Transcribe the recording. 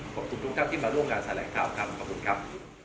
ขอบคุณทุกท่านที่มาร่วมงานแถลงข่าวครับขอบคุณครับ